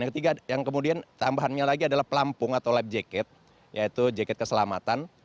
yang ketiga yang kemudian tambahannya lagi adalah pelampung atau life jacket yaitu jaket keselamatan